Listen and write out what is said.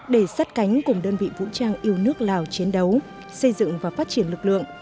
để sát cánh cùng đơn vị vũ trang yêu nước lào chiến đấu xây dựng và phát triển lực lượng